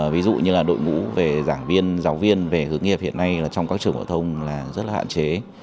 ví dụ như đội ngũ về giảng viên giáo viên về hướng nghiệp hiện nay trong các trường hội thông rất là hạn chế